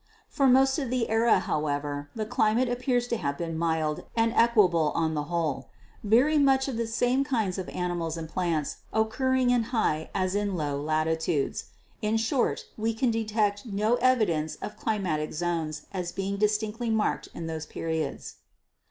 For most of the era, however, the climate appears to have been mild and equable on the whole, very much the same kinds of animals and plants occurring in high as in low latitudes. In short, we can detect no evidence of climatic zones as being distinctly marked in those periods."